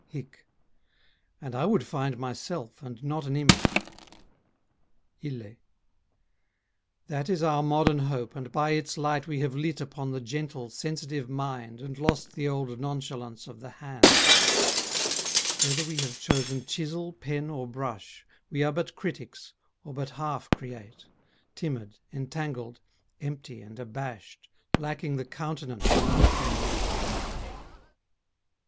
HIC And I would find myself and not an image. ILLE That is our modern hope and by its light We have lit upon the gentle, sensitive mind And lost the old nonchalance of the hand; Whether we have chosen chisel, pen or brush We are but critics, or but half create, Timid, entangled, empty and abashed Lacking the countenance of our friends.